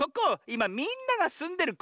いまみんながすんでる